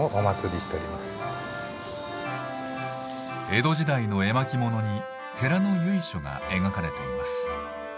江戸時代の絵巻物に寺の由緒が描かれています。